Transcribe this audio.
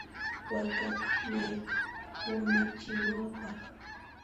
Wakata mayt'uy urmachinapaq.